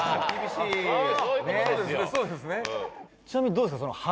「そうですね」